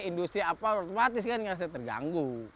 industri apa otomatis kan merasa terganggu